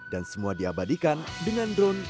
dan semua diabadikan dengan drone